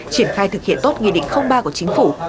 triển khai thực hiện tốt nghị định ba của chính phủ